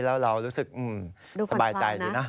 แล้วเรารู้สึกสบายใจดีนะดูฝันร้อนนะ